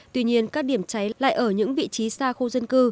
tuy nhiên các điểm cháy lại ở những vị trí xa khu dân cư